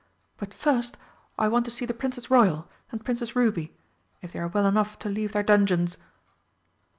But first I want to see the Princess Royal and Princess Ruby if they are well enough to leave their dungeons."